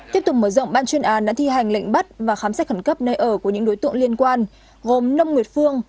tiếp tục mở rộng ban chuyên án đã thi hành lệnh bắt và khám xét khẩn cấp nơi ở của những đối tượng liên quan gồm nông nguyệt phương